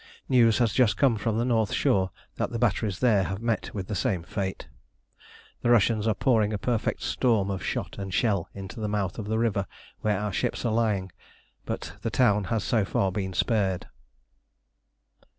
News has just come from the North Shore that the batteries there have met with the same fate. The Russians are pouring a perfect storm of shot and shell into the mouth of the river where our ships are lying, but the town has so far been spared.